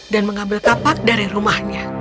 dan mengambil kapak dari rumahnya